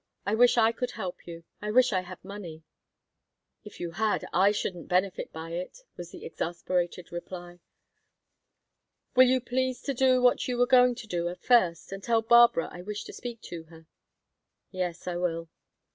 I wish I could help you. I wish I had money. "If you had, I shouldn't benefit by it," was the exasperated reply. "Will you please to do what you were going to do at first, and tell Barbara I wish to speak to her?" "Yes, I will."